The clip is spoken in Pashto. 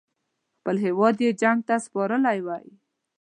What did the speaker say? خپل هیواد یې جنګ ته سپارلی وای.